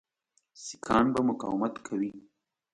سیکهان به مقاومت کوي.